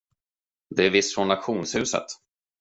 Det är visst från auktionshuset.